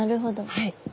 はい。